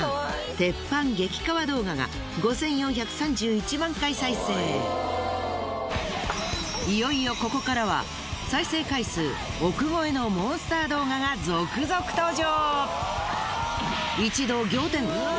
鉄板激かわ動画がいよいよここからは再生回数億超えのモンスター動画が続々登場！